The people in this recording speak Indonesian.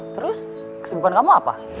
terus kesibukan kamu apa